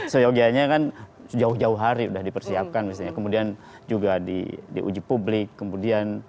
seyogianya kan jauh jauh hari sudah dipersiapkan misalnya kemudian juga diuji publik kemudian